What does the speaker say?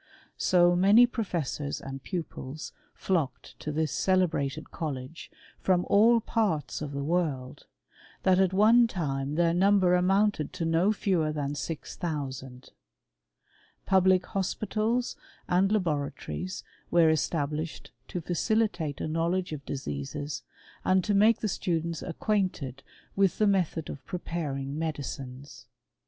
So many pro* fes^rs and pupils flocked to this celebrated college, from all parts of the world, that at one time their num ber amounted to no fewer than six thousand. Public hospitals and laboratories were established to facilitate a knowledge of diseases, and to make the students, acquainted with the method of preparing medicines.